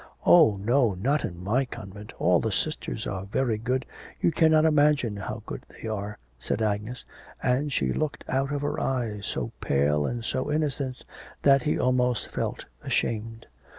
'Oh, no, not in my convent, all the sisters are very good, you cannot imagine how good they are,' said Agnes, and she looked out of eyes so pale and so innocent that he almost felt ashamed.